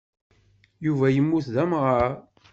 Yuba yemmut d amɣar.